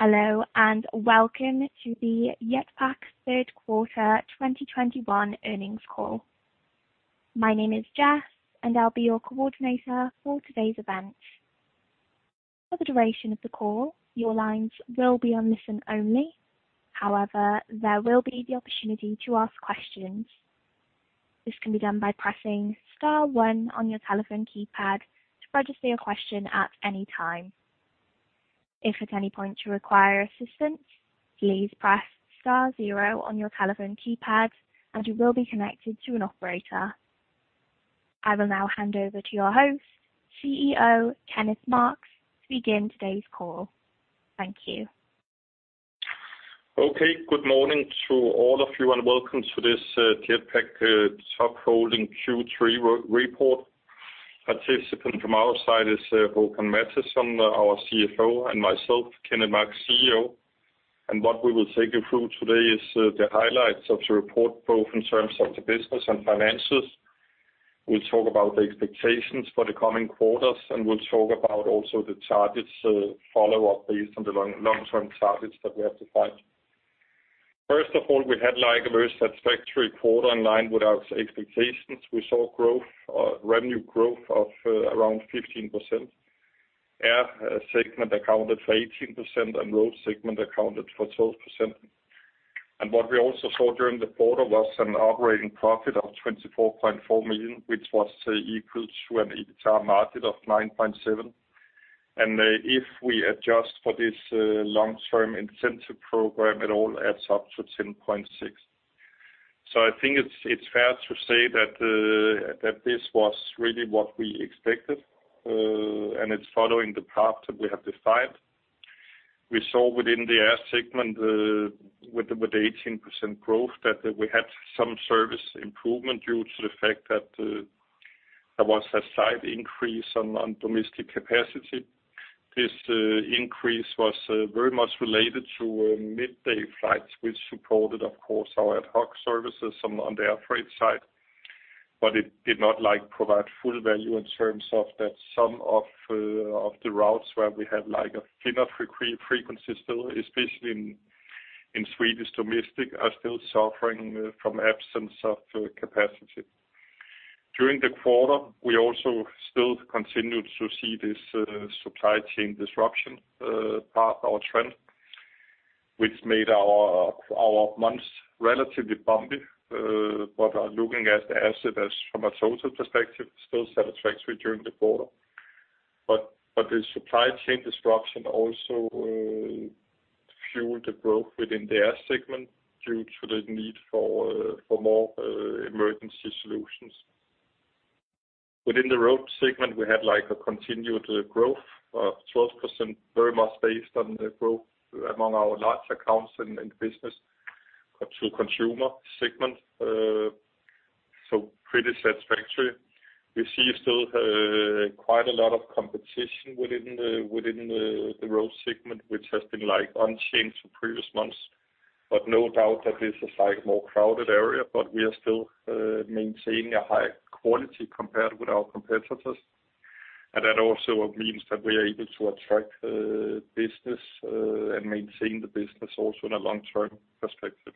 Hello, and welcome to the Jetpak third quarter 2021 earnings call. My name is Jess and I'll be your coordinator for today's event. For the duration of the call, your lines will be on listen only. However, there will be the opportunity to ask questions. This can be done by pressing star one on your telephone keypad to register your question at any time. If at any point you require assistance, please press star zero on your telephone keypad and you will be connected to an operator. I will now hand over to your host, CEO Kenneth Marx, to begin today's call. Thank you. Okay. Good morning to all of you, and welcome to this Jetpak Top Holding Q3 report. Participant from our side is Håkan Mattisson, our CFO, and myself, Kenneth Marx, CEO. What we will take you through today is the highlights of the report, both in terms of the business and finances. We'll talk about the expectations for the coming quarters, and we'll talk about also the targets follow up based on the long-term targets that we have defined. First of all, we had, like, a very satisfactory quarter in line with our expectations. We saw growth, revenue growth of around 15%. Air segment accounted for 18%, and road segment accounted for 12%. What we also saw during the quarter was an operating profit of 24.4 million, which was equal to an EBITDA margin of 9.7%. If we adjust for this long-term incentive program, it all adds up to 10.6%. I think it's fair to say that this was really what we expected, and it's following the path that we have defined. We saw within the air segment, with 18% growth that we had some service improvement due to the fact that there was a slight increase on domestic capacity. This increase was very much related to midday flights, which supported, of course, our ad hoc services on the air freight side. It did not, like, provide full value in terms of that some of the routes where we had, like, a thinner frequency still, especially in Swedish domestic, are still suffering from absence of capacity. During the quarter, we also still continued to see this supply chain disruption path or trend, which made our months relatively bumpy. Looking at it from a total perspective, still satisfactory during the quarter. The supply chain disruption also fueled the growth within the air segment due to the need for more emergency solutions. Within the road segment, we had, like, a continued growth of 12%, very much based on the growth among our large accounts in the business to consumer segment. Pretty satisfactory. We see still quite a lot of competition within the road segment, which has been like unchanged from previous months, but no doubt that this is like more crowded area. We are still maintaining a high quality compared with our competitors. That also means that we are able to attract business and maintain the business also in a long-term perspective.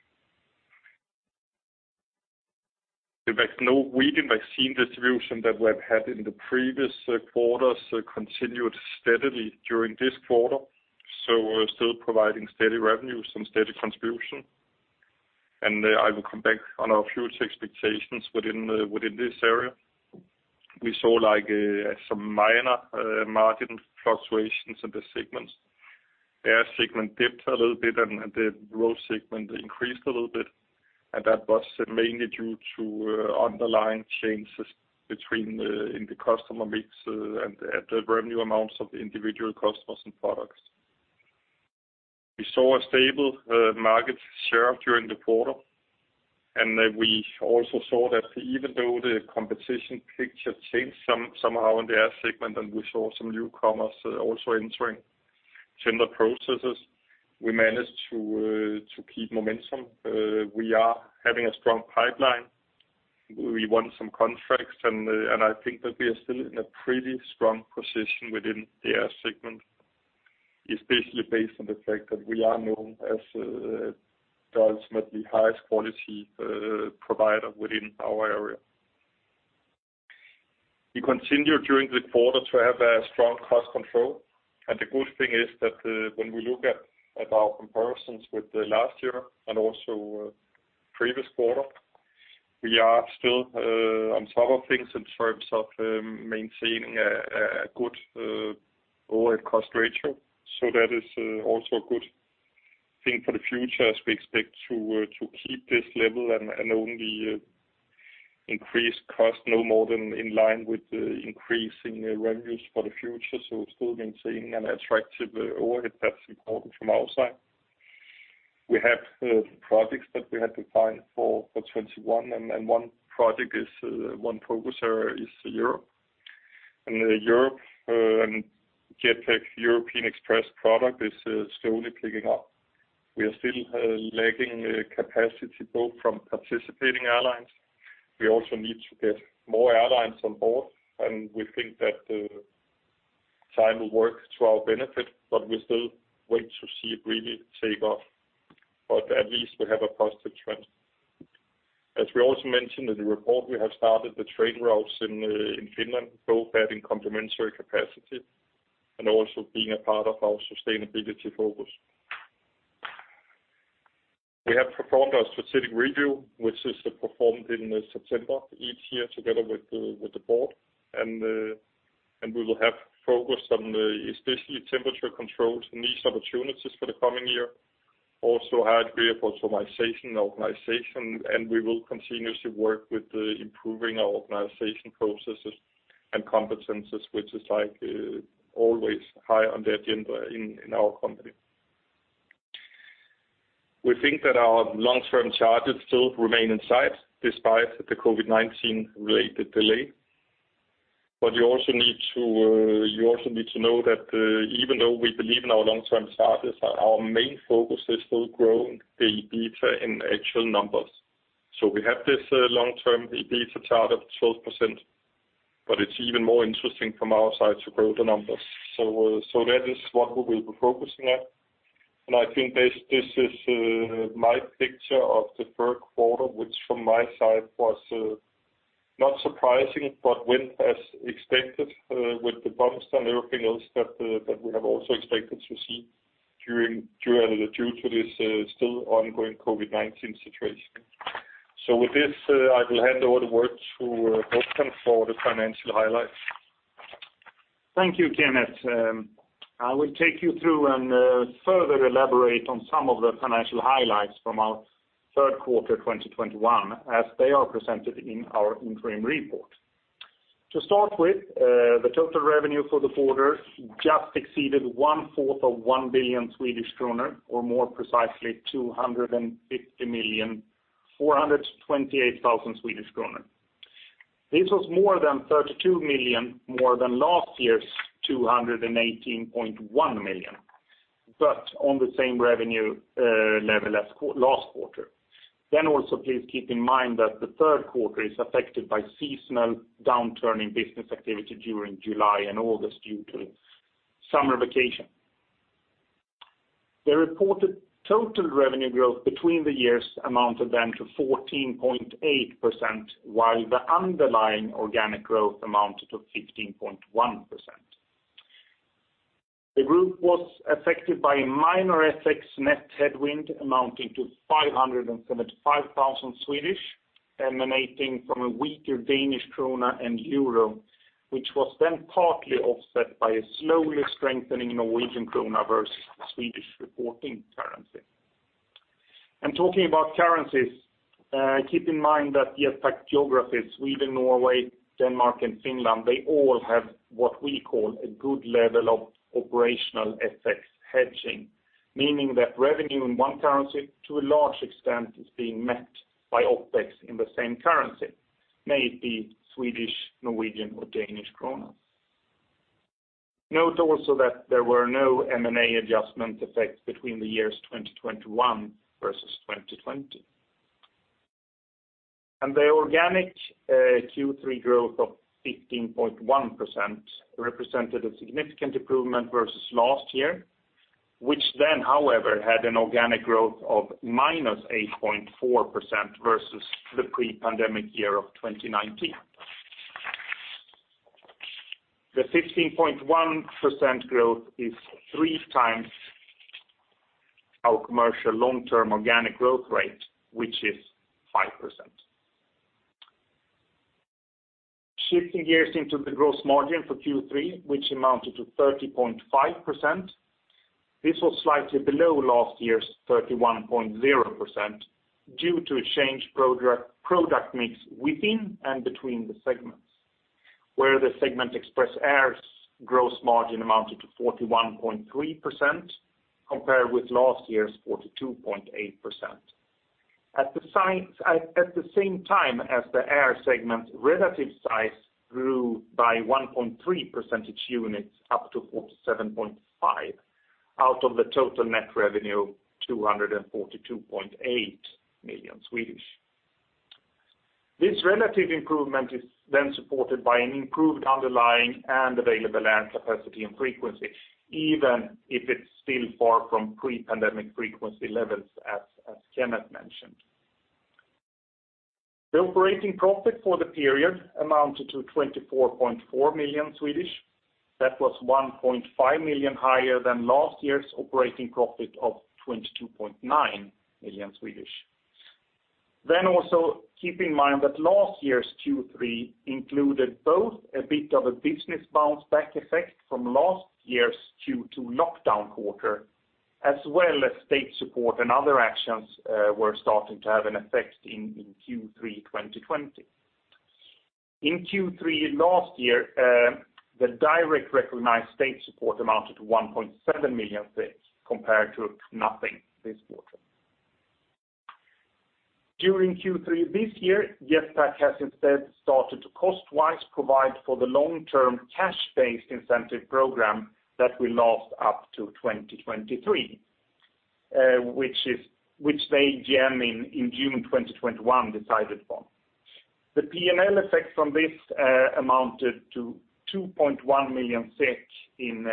The vaccine distribution that we have had in the previous quarters continued steadily during this quarter, so we're still providing steady revenues and steady contribution. I will come back on our future expectations within this area. We saw like some minor margin fluctuations in the segments. Air segment dipped a little bit and the road segment increased a little bit. That was mainly due to underlying changes in the customer mix and the revenue amounts of the individual customers and products. We saw a stable market share during the quarter. We also saw that even though the competition picture changed some, somehow in the air segment, and we saw some newcomers also entering similar processes, we managed to keep momentum. We are having a strong pipeline. We won some contracts and I think that we are still in a pretty strong position within the air segment, especially based on the fact that we are known as the ultimately highest quality provider within our area. We continued during the quarter to have a strong cost control, and the good thing is that when we look at our comparisons with the last year and also previous quarter, we are still on top of things in terms of maintaining a good overhead cost ratio. That is also a good thing for the future as we expect to keep this level and only increase cost no more than in line with the increasing revenues for the future. Still maintaining an attractive overhead. That's important from our side. We have projects that we have defined for 2021, and one project is one focus area is Europe. Europe and Jetpak Express Europe is slowly picking up. We are still lacking capacity both from participating airlines. We also need to get more airlines on board, and we think that time will work to our benefit, but we still wait to see it really take off. At least we have a positive trend. As we also mentioned in the report, we have started the train routes in Finland, both adding complementary capacity and also being a part of our sustainability focus. We have performed our strategic review, which is performed in September each year together with the board, and we will have focus on especially temperature-controlled and these opportunities for the coming year. Also high degree of optimization and organization, and we will continuously work on improving our organization processes and competencies, which is like always high on the agenda in our company. We think that our long-term targets still remain in sight despite the COVID-19-related delay. You also need to know that even though we believe in our long-term targets, our main focus is still growing the EBITDA in actual numbers. We have this long-term EBITDA target of 12%, but it's even more interesting from our side to grow the numbers. That is what we will be focusing on. I think this is my picture of the third quarter, which from my side was not surprising, but went as expected with the bumps and everything else that we have also expected to see due to this still ongoing COVID-19 situation. With this, I will hand over to Håkan for the financial highlights. Thank you, Kenneth. I will take you through and further elaborate on some of the financial highlights from our third quarter 2021 as they are presented in our interim report. To start with, the total revenue for the quarter just exceeded 250,000 Swedish kronor, or more precisely 250 million, 428,000. This was more than 32 million more than last year's 218.1 million, but on the same revenue level as Q2 last quarter. Please keep in mind that the third quarter is affected by seasonal downturn in business activity during July and August due to summer vacation. The reported total revenue growth between the years amounted then to 14.8%, while the underlying organic growth amounted to 15.1%. The group was affected by a minor FX net headwind amounting to 575,000, emanating from a weaker Danish kroner and euro, which was then partly offset by a slowly strengthening Norwegian kroner versus Swedish reporting currency. Talking about currencies, keep in mind that the affected geographies, Sweden, Norway, Denmark and Finland, they all have what we call a good level of operational FX hedging, meaning that revenue in one currency to a large extent is being met by OpEx in the same currency, may it be Swedish, Norwegian or Danish kroner. Note also that there were no M&A adjustment effects between the years 2021 versus 2020. The organic Q3 growth of 15.1% represented a significant improvement versus last year, which then, however, had an organic growth of -8.4% versus the pre-pandemic year of 2019. The 15.1% growth is three times our commercial long-term organic growth rate, which is 5%. Shifting gears into the gross margin for Q3, which amounted to 30.5%. This was slightly below last year's 31.0% due to a change product mix within and between the segments, where the Express Air segment's gross margin amounted to 41.3% compared with last year's 42.8%. At the same time as the air segment's relative size grew by 1.3 percentage units up to 47.5% of the total net revenue, 242.8 million. This relative improvement is then supported by an improved underlying and available air capacity and frequency, even if it's still far from pre-pandemic frequency levels as Kenneth mentioned. The operating profit for the period amounted to 24.4 million. That was 1.5 million higher than last year's operating profit of 22.9 million. Also keep in mind that last year's Q3 included both a bit of a business bounce back effect from last year's Q2 lockdown quarter, as well as state support and other actions were starting to have an effect in Q3 2020. In Q3 last year, the direct recognized state support amounted to 1.7 million compared to nothing this quarter. During Q3 this year, Jetpak has instead started to cost-wise provide for the long-term cash-based incentive program that will last up to 2023, which they AGM in June 2021 decided upon. The P&L effects from this amounted to 2.1 million in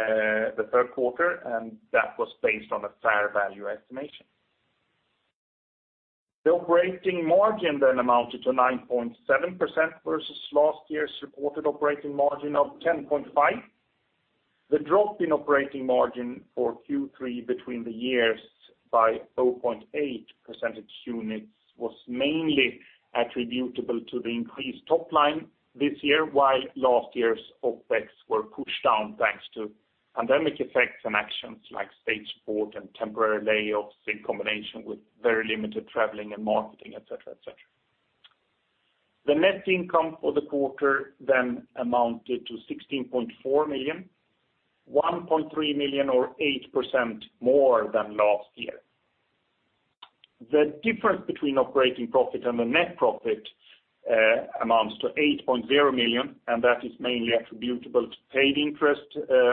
the third quarter, and that was based on a fair value estimation. The operating margin then amounted to 9.7% versus last year's reported operating margin of 10.5%. The drop in operating margin for Q3 year-over-year by 0.8 percentage points was mainly attributable to the increased top line this year, while last year's OpEx were pushed down thanks to pandemic effects and actions like state support and temporary layoffs in combination with very limited traveling and marketing, et cetera, et cetera. The net income for the quarter then amounted to 16.4 million, 1.3 million or 8% more than last year. The difference between operating profit and the net profit amounts to 8.0 million, and that is mainly attributable to paid interest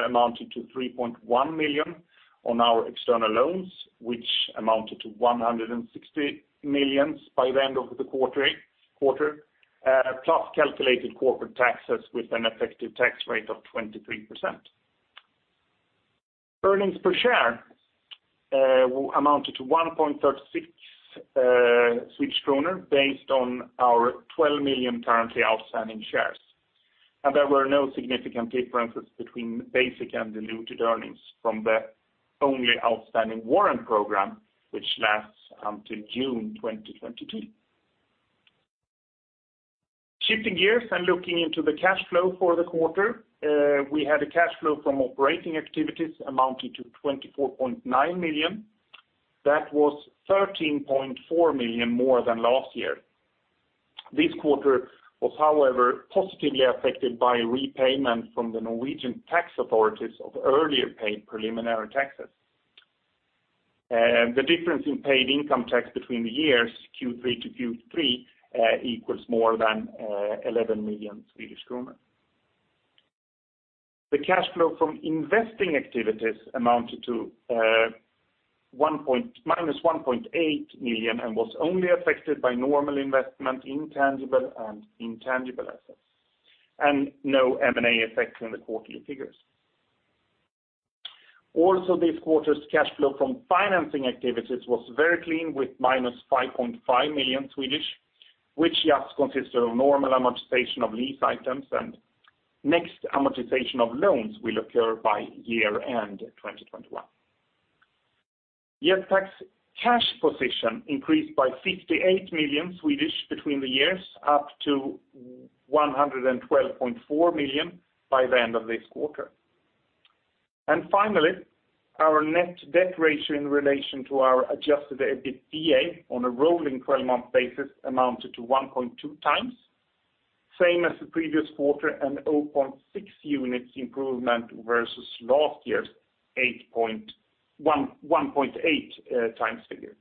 amounting to 3.1 million on our external loans, which amounted to 160 million by the end of the quarter. Plus calculated corporate taxes with an effective tax rate of 23%. Earnings per share amounted to 1.36 Swedish kronor based on our 12 million currently outstanding shares. There were no significant differences between basic and diluted earnings from the only outstanding warrant program which lasts until June 2022. Shifting gears and looking into the cash flow for the quarter, we had a cash flow from operating activities amounting to 24.9 million. That was 13.4 million more than last year. This quarter was, however, positively affected by repayment from the Norwegian tax authorities of earlier paid preliminary taxes. The difference in paid income tax between the years Q3 to Q3 equals more than 11 million Swedish kronor. The cash flow from investing activities amounted to -1.8 million and was only affected by normal investment in tangible and intangible assets, and no M&A effects in the quarterly figures. Also, this quarter's cash flow from financing activities was very clean, with -5.5 million, which just consists of normal amortization of lease items, and next amortization of loans will occur by year-end 2021. Jetpak's cash position increased by 58 million between the years, up to 112.4 million by the end of this quarter. Finally, our net debt ratio in relation to our adjusted EBITDA on a rolling twelve-month basis amounted to 1.2x, same as the previous quarter, and 0.6 units improvement versus last year's 1.8x figure.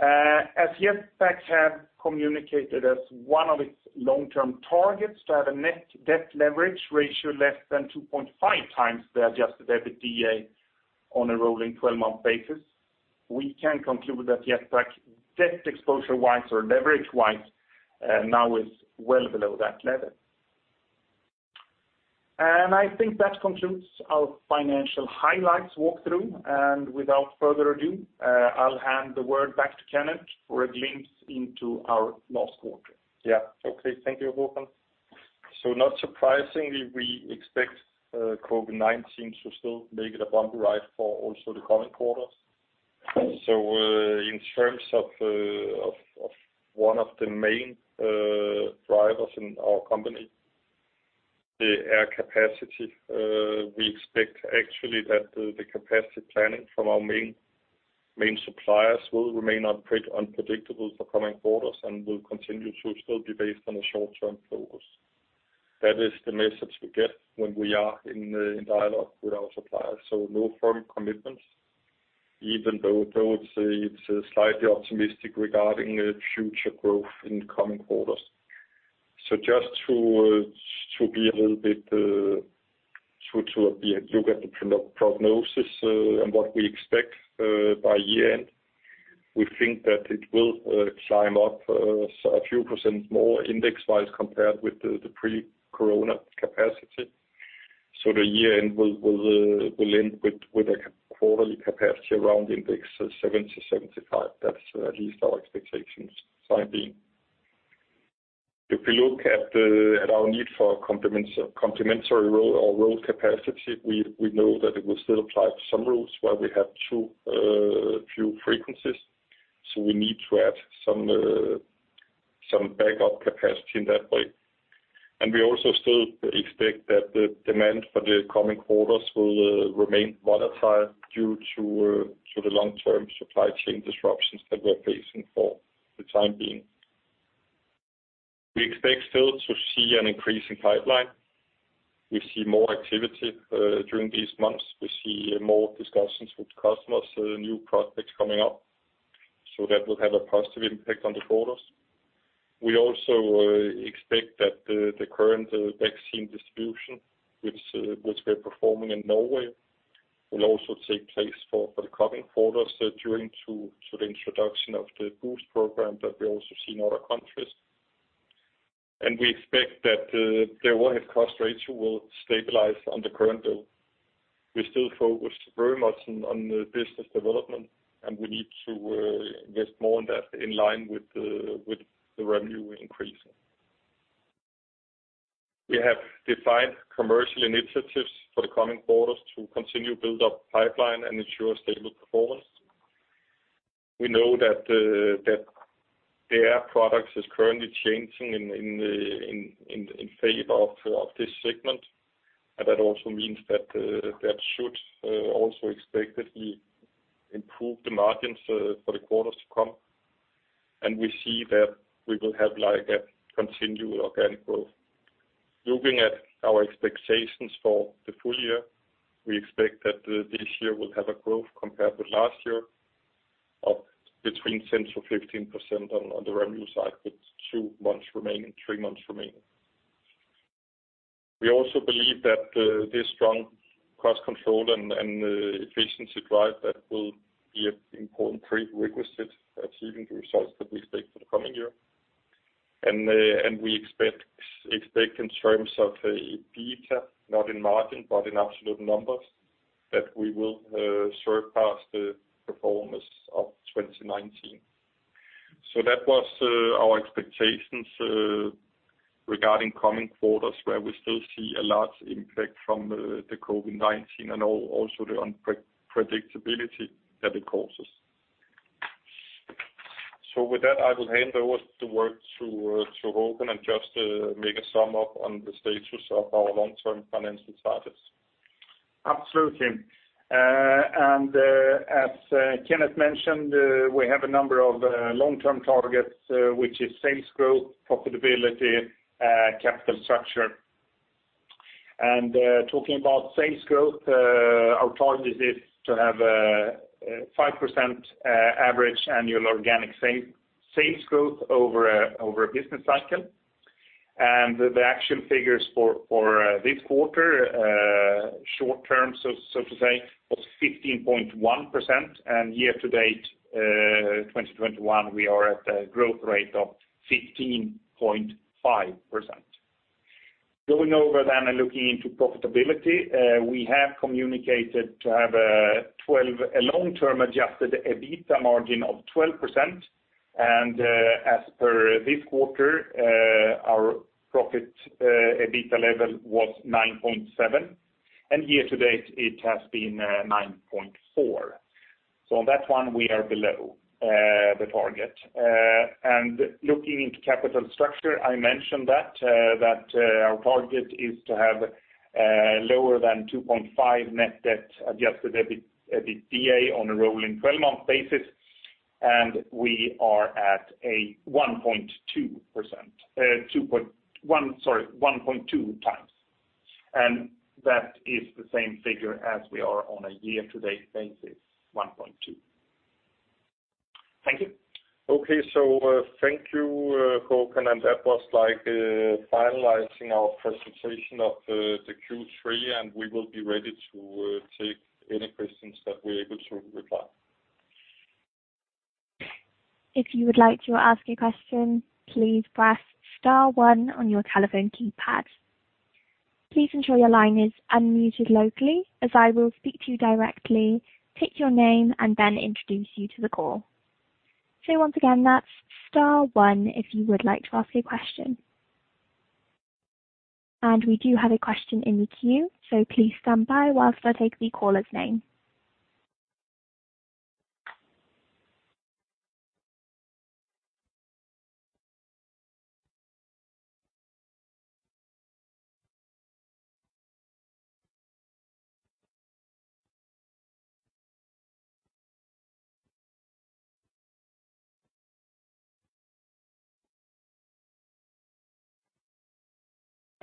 As Jetpak have communicated as one of its long-term targets to have a net debt leverage ratio less than 2.5x the adjusted EBITDA on a rolling 12-month basis, we can conclude that Jetpak debt exposure-wise or leverage-wise, now is well below that level. I think that concludes our financial highlights walkthrough. Without further ado, I'll hand the word back to Kenneth for a glimpse into our last quarter. Yeah. Okay. Thank you, Håkan. Not surprisingly, we expect COVID-19 to still make it a bumpy ride for also the coming quarters. In terms of one of the main drivers in our company, the air capacity, we expect actually that the capacity planning from our main suppliers will remain unpredictable for coming quarters and will continue to still be based on a short-term focus. That is the message we get when we are in dialogue with our suppliers, so no firm commitments, even though they would say it's slightly optimistic regarding future growth in coming quarters. Just to be a little bit to look at the prognosis and what we expect by year-end, we think that it will climb up a few % more index-wise compared with the pre-corona capacity. The year-end will end with a quarterly capacity around index of 70-75. That's at least our expectations for the time being. If you look at our need for complementary road capacity, we know that it will still apply to some routes where we have too few frequencies, so we need to add some backup capacity in that way. We also still expect that the demand for the coming quarters will remain volatile due to the long-term supply chain disruptions that we're facing for the time being. We expect still to see an increase in pipeline. We see more activity during these months. We see more discussions with customers, so new prospects coming up, so that will have a positive impact on the quarters. We also expect that the current vaccine distribution, which we're performing in Norway will also take place for the coming quarters due to the introduction of the booster program that we also see in other countries. We expect that the overhead cost ratio will stabilize on the current level. We're still focused very much on the business development, and we need to invest more on that in line with the revenue increase. We have defined commercial initiatives for the coming quarters to continue build up pipeline and ensure stable performance. We know that the air products is currently changing in the favor of this segment, and that also means that should also expectedly improve the margins for the quarters to come. We see that we will have like a continual organic growth. Looking at our expectations for the full year, we expect that this year will have a growth compared with last year of between 10%-15% on the revenue side, with three months remaining. We also believe that this strong cost control and efficiency drive that will be an important prerequisite achieving the results that we expect for the coming year. We expect in terms of EBITDA, not in margin, but in absolute numbers, that we will surpass the performance of 2019. That was our expectations regarding coming quarters, where we still see a large impact from the COVID-19 and also the unpredictability that it causes. With that, I will hand over the word to Håkan and just make a sum up on the status of our long-term financial targets. Absolutely. As Kenneth mentioned, we have a number of long-term targets, which is sales growth, profitability, capital structure. Talking about sales growth, our target is to have 5% average annual organic sales growth over a business cycle. The actual figures for this quarter, short term, so to say, was 15.1%, and year to date, 2021, we are at a growth rate of 15.5%. Going over and looking into profitability, we have communicated to have a long-term adjusted EBITDA margin of 12%, and as per this quarter, our EBITDA level was 9.7%, and year to date it has been 9.4%. On that one, we are below the target. Looking into capital structure, I mentioned that our target is to have lower than 2.5 net debt Adjusted EBITDA on a rolling 12-month basis, and we are at a 1.2x. That is the same figure as we are on a year-to-date basis, 1.2. Thank you. Okay. Thank you, Håkan, and that was like finalizing our presentation of the Q3, and we will be ready to take any questions that we're able to reply. If you would like to ask a question, please press star one on your telephone keypad. Please ensure your line is unmuted locally as I will speak to you directly, state your name, and then introduce you to the call. Once again, that's star one if you would like to ask a question. We do have a question in the queue, so please stand by whilst I take the caller's name.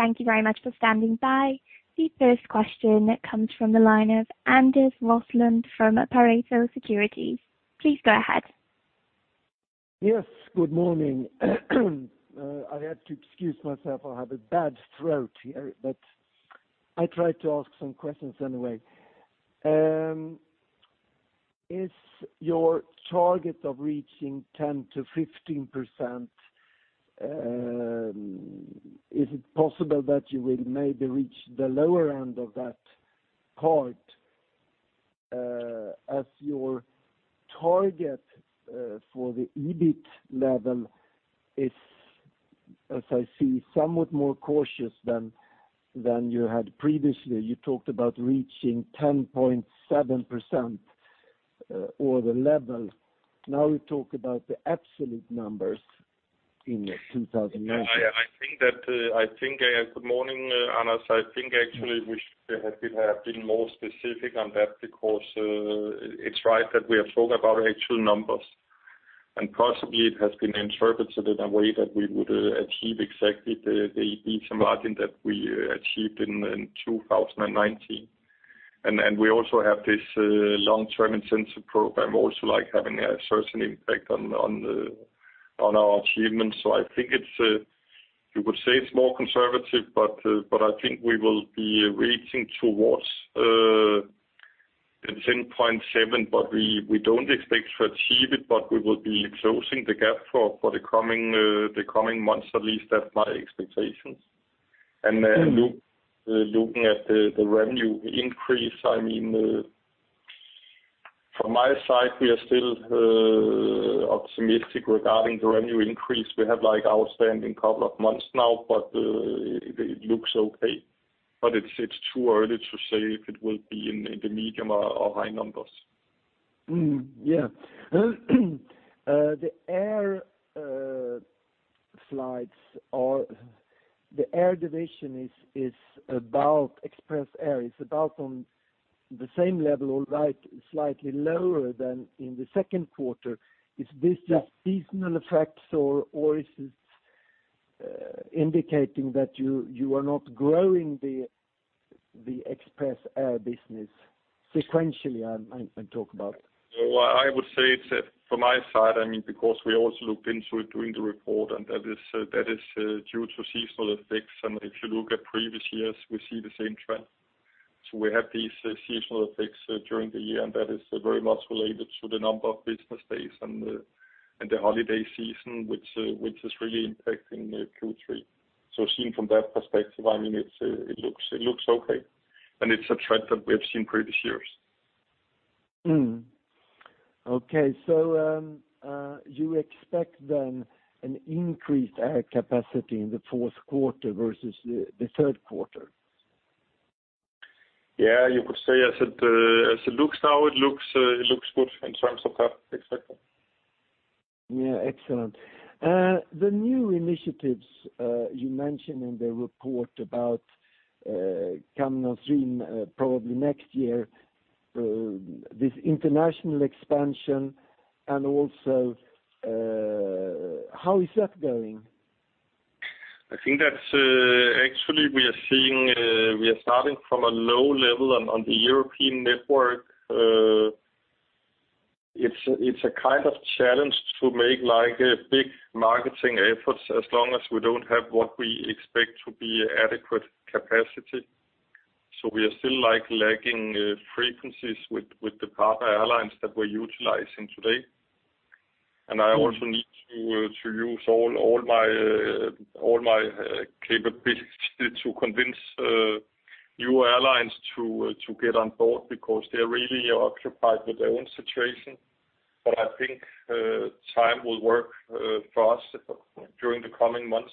Thank you very much for standing by. The first question comes from the line of Anders Roslund from Pareto Securities. Please go ahead. Yes. Good morning. I had to excuse myself. I have a bad throat here, but I try to ask some questions anyway. Is your target of reaching 10%-15%, is it possible that you will maybe reach the lower end of that part, as your target, for the EBIT level is, as I see, somewhat more cautious than you had previously? You talked about reaching 10.7%, or the level. Now we talk about the absolute numbers in 2020. Good morning, Anders. I think actually we should have been more specific on that because it's right that we have talked about actual numbers. Possibly it has been interpreted in a way that we would achieve exactly the EBITDA margin that we achieved in 2019. Then we also have this long-term incentive program, also like having a certain impact on our achievements. I think it's, you could say, it's more conservative, but I think we will be reaching towards the 10.7%. We don't expect to achieve it, but we will be closing the gap for the coming months, at least that's my expectations. Look- Mm-hmm. Looking at the revenue increase, I mean, from my side, we are still optimistic regarding the revenue increase. We have, like, outstanding couple of months now, but it looks okay. But it's too early to say if it will be in the medium or high numbers. Yeah. The air slides or the air division is about Express Air. It's about on the same level or like slightly lower than in the second quarter. Is this just- Yeah. seasonal effects or is this indicating that you are not growing the Express Air business sequentially? I'm talking about? Well, I would say it's, from my side, I mean, because we also looked into it during the report, and that is due to seasonal effects. If you look at previous years, we see the same trend. We have these seasonal effects during the year, and that is very much related to the number of business days and the holiday season, which is really impacting the Q3. Seen from that perspective, I mean, it looks okay, and it's a trend that we have seen previous years. Okay. You expect then an increased air capacity in the fourth quarter versus the third quarter? Yeah, you could say, as it looks now, it looks good in terms of that expectation. Yeah, excellent. The new initiatives you mentioned in the report about coming on stream probably next year, this international expansion and also, how is that going? I think that's actually we are starting from a low level on the European network. It's a kind of challenge to make like a big marketing efforts as long as we don't have what we expect to be adequate capacity. We are still like lacking frequencies with the partner airlines that we're utilizing today. Mm-hmm. I also need to use all my capability to convince new airlines to get on board because they're really occupied with their own situation. I think time will work for us during the coming months.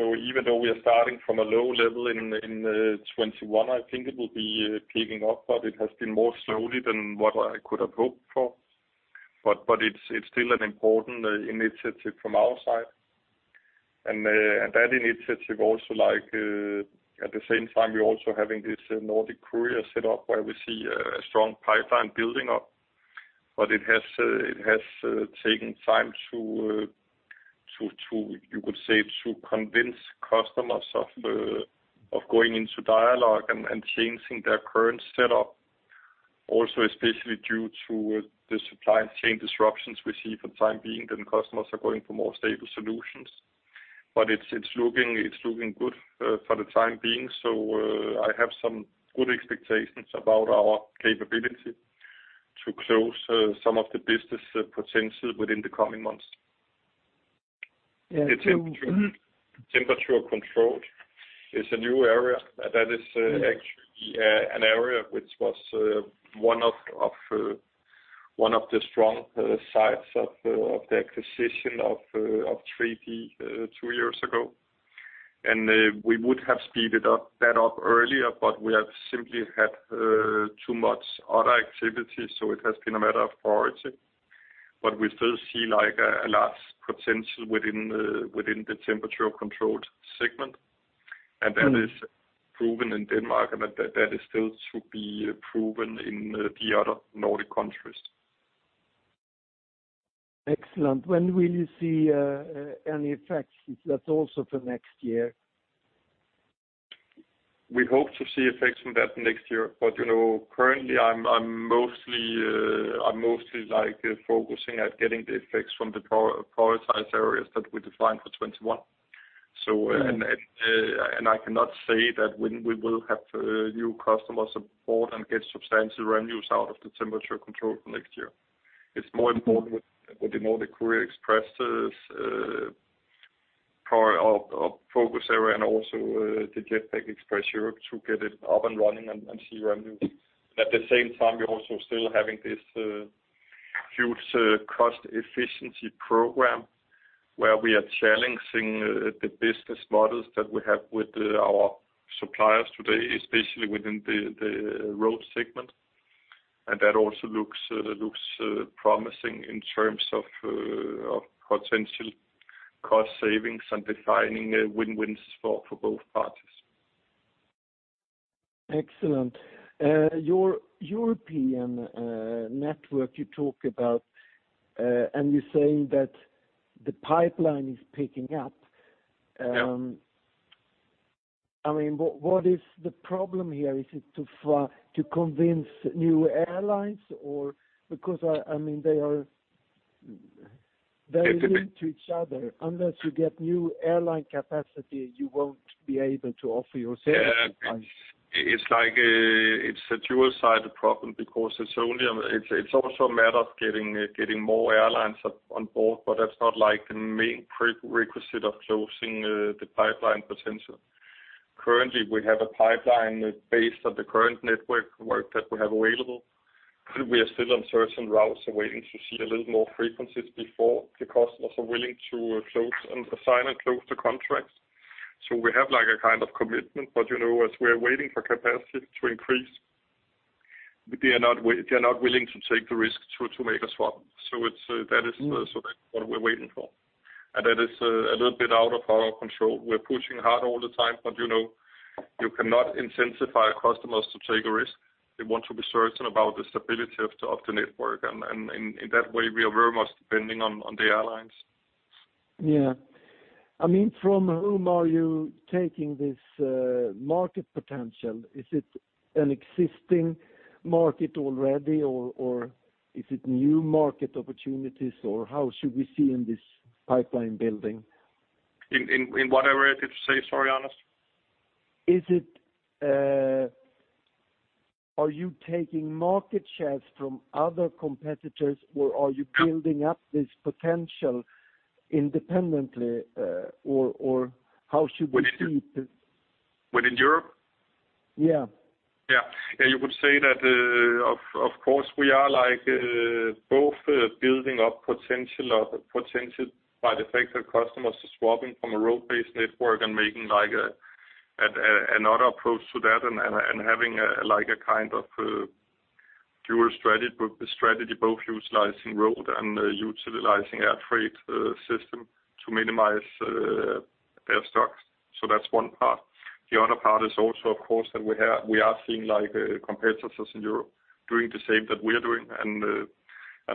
Even though we are starting from a low level in 2021, I think it will be picking up, but it has been more slowly than what I could have hoped for. It's still an important initiative from our side. That initiative also like, at the same time, we're also having this Nordic Courier set up where we see a strong pipeline building up, but it has taken time to, you could say, to convince customers of going into dialogue and changing their current setup. Also, especially due to the supply chain disruptions we see for the time being, then customers are going for more stable solutions. But it's looking good for the time being. I have some good expectations about our capability to close some of the business potential within the coming months. Yeah, so- The temperature-controlled is a new area. That is, Mm-hmm. Actually an area which was one of the strong sides of the acquisition of 3D Logistik A/S two years ago. We would have speeded up that earlier, but we have simply had too much other activity, so it has been a matter of priority. We still see like a large potential within the temperature-controlled segment. Mm-hmm. That is proven in Denmark, and that is still to be proven in the other Nordic countries. Excellent. When will you see any effects? Is that also for next year? We hope to see effects from that next year. You know, currently, I'm mostly like focusing at getting the effects from the prioritized areas that we defined for 2021. Mm-hmm. I cannot say that when we will have new customer support and get substantial revenues out of the temperature control for next year. Mm-hmm. It's more important with the Nordic Courier Express's focus area and also the Jetpak Express Europe to get it up and running and see revenue. At the same time, we're also still having this huge cost efficiency program where we are challenging the business models that we have with our suppliers today, especially within the Express Road segment. That also looks promising in terms of potential cost savings and defining a win-win for both parties. Excellent. Your European network you talk about, and you're saying that the pipeline is picking up. Yeah. I mean, what is the problem here? Is it to convince new airlines or because, I mean, they are- It, it- They're very linked to each other. Unless you get new airline capacity, you won't be able to offer your services, right? It's like, it's a dual-sided problem because it's also a matter of getting more airlines on board, but that's not like the main prerequisite of closing the pipeline potential. Currently, we have a pipeline based on the current network work that we have available. We are still on certain routes waiting to see a little more frequencies before the customers are willing to close and sign and close the contracts. We have like a kind of commitment. You know, as we're waiting for capacity to increase, they are not willing to take the risk to make a swap. It's, that is, sort of what we're waiting for. That is a little bit out of our control. We're pushing hard all the time, but, you know, you cannot incentivize customers to take a risk. They want to be certain about the stability of the network. In that way, we are very much depending on the airlines. Yeah. I mean, from whom are you taking this market potential? Is it an existing market already, or is it new market opportunities, or how should we see in this pipeline building? In what area did you say? Sorry, Anders. Are you taking market shares from other competitors, or are you building up this potential independently, or how should we see this? Within Europe? Yeah. Yeah. Yeah, you could say that, of course, we are like both building up potential by the fact that customers are swapping from a road-based network and making like another approach to that and having like a kind of dual strategy both utilizing road and utilizing air freight system to minimize their stocks. That's one part. The other part is also, of course, that we are seeing like competitors in Europe doing the same that we are doing.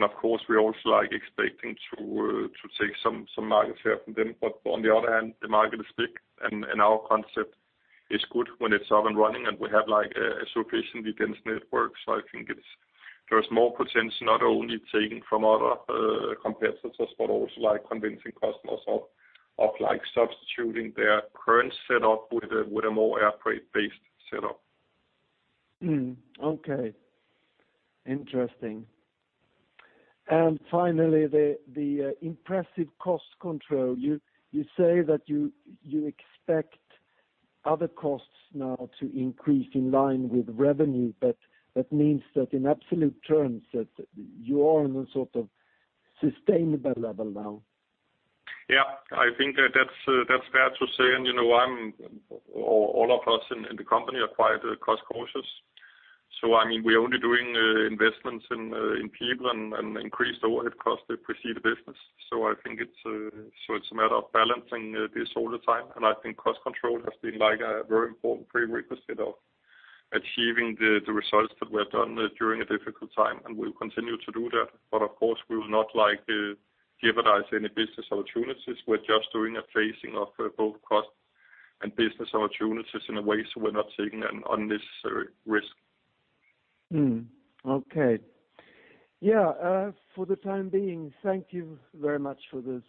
Of course, we're also like expecting to take some market share from them. On the other hand, the market is big and our concept is good when it's up and running, and we have like a sufficiently dense network. I think it's. There's more potential not only taking from other competitors but also like convincing customers of like substituting their current setup with a more air freight-based setup. Okay. Interesting. Finally, the impressive cost control. You say that you expect other costs now to increase in line with revenue, but that means that in absolute terms that you are on a sort of sustainable level now. Yeah. I think that's fair to say. You know, all of us in the company are quite cost-conscious. I mean, we are only doing investments in people and increased overhead costs to proceed the business. I think it's a matter of balancing this all the time. I think cost control has been like a very important prerequisite of achieving the results that we have done during a difficult time, and we'll continue to do that. Of course, we will not like jeopardize any business opportunities. We're just doing a phasing of both cost and business opportunities in a way so we're not taking an unnecessary risk. Okay. Yeah, for the time being, thank you very much for these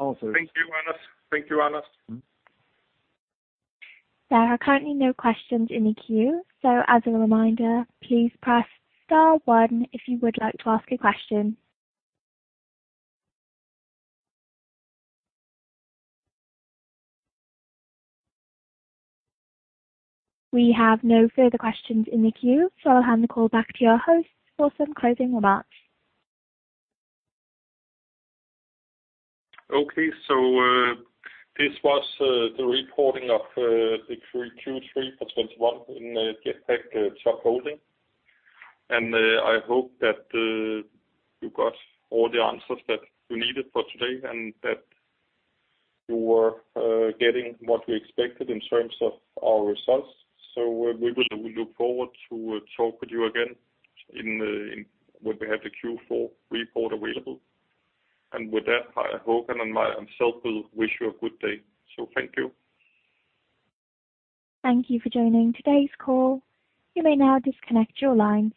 answers. Thank you, Anders. There are currently no questions in the queue. As a reminder, please press star one if you would like to ask a question. We have no further questions in the queue, so I'll hand the call back to your host for some closing remarks. This was the reporting of the Q3 for 2021 in the Jetpak Top Holding. I hope that you got all the answers that you needed for today and that you were getting what we expected in terms of our results. We will look forward to talk with you again when we have the Q4 report available. With that, Håkan and I myself will wish you a good day. Thank you. Thank you for joining today's call. You may now disconnect your lines.